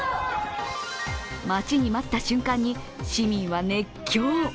待ちに待った瞬間に市民は熱狂。